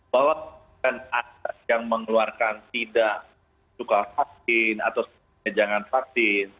bahwa ada yang mengeluarkan tidak suka vaksin atau jangan vaksin